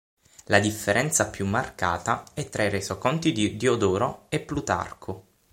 La differenza più marcata è tra i resoconti di Diodoro e Plutarco.